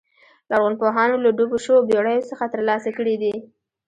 لرغونپوهانو له ډوبو شویو بېړیو څخه ترلاسه کړي دي